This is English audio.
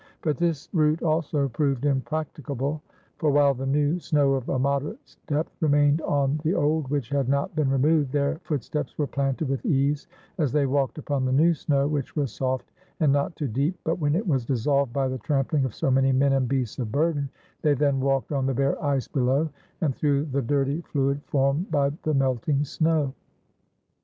But this route also proved impracticable; for while the new snow of a moderate depth remained on the old, which had not been removed, their footsteps were planted with ease as they walked upon the new snow, which was soft and not too deep ; but when it was dissolved by the trampling of so many men and beasts of burden, they then walked on the bare ice below, and through the dirty fluid formed by the melting snow.